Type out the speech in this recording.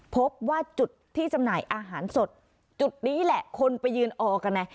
พบว่าจุดที่จำหน่ายอาหารสดจุดนี้แหละคนไปยืนออกกันไง